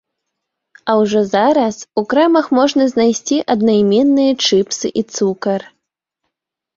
А ўжо зараз у крамах можна знайсці аднайменныя чыпсы і цукар.